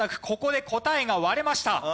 ここで答えが割れました。